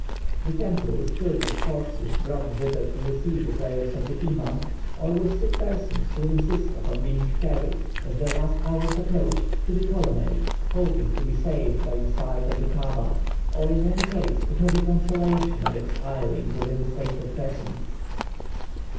The temple is filled with corpses brought thither to receive the prayers of the Iman, or with sick persons who insist upon being carried, as their last hours approach, to the colonnade, hoping to be saved by the sight of the Kaaba, or in any case to have the consolation of expiring within the sacred precincts.